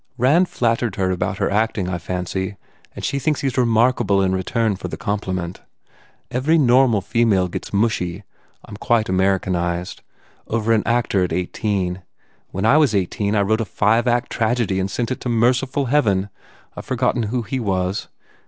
Rand flattered her about her act ing, I fancy, and she thinks he s remarkable in return for the compliment. Every normal fe male gets mushy I m quite Americanized over an actor at eighteen. When I was eighteen I wrote a five act tragedy and sent it to Merciful Heaven I ve forgotten who he was!